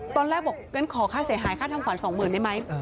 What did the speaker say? ตอนแรกบอกอย่างนั้นขอค่าเสียหายค่าทำขวัญสองหมื่นได้ไหม